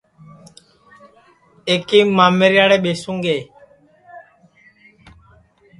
ایکیم مامیریاڑے ٻیسوں گے